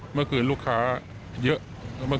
เมื่อคืนลูกค้าเยอะ